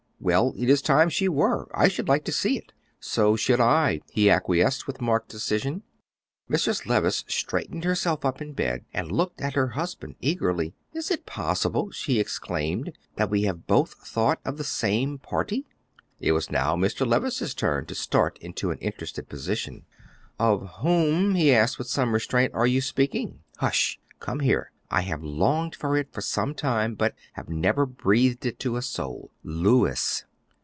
"Well, it is time she were. I should like to see it." "So should I," he acquiesced with marked decision. Mrs. Levice straightened herself up in bed and looked at her husband eagerly. "Is it possible," she exclaimed, "that we have both thought of the same parti?" It was now Mr. Levice's turn to start into an interested position. "Of whom," he asked with some restraint, "are you speaking?" "Hush! Come here; I have longed for it for some time, but have never breathed it to a soul, Louis."